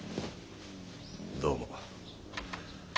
どうも。